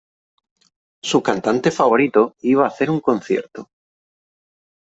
Su cantante favorito iba a hacer un concierto.